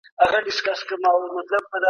املا د زده کوونکو د پوهي کچه لوړوي.